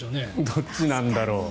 どっちなんだろう。